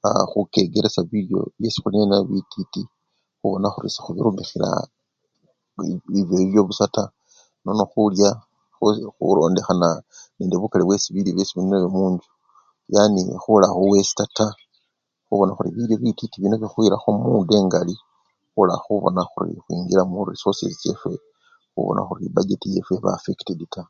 Khwakha khukekelesya bilyo byesi khuli nenabyo bititi khubona khuri sekhubirumikhila ivyoyivyo busa taa nono khulya kh! khulondekhana nende bukali bwebilyo byemuli nenabyo munjju, yani khula khuwesita taa, khubona khuri bilyo bititi bino bikhuyilakho muda engali khula khubona khuli khwingila murisosesi chefwe khubona khuri epacheti yefwe eba affekiteti taa.